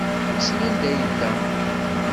Wissen anda yella.